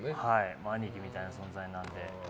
兄貴みたいな存在なので。